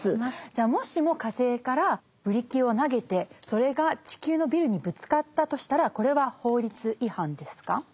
もしも火星からブリキを投げてそれが地球のビルにぶつかったとしたらこれは法律違反ですか？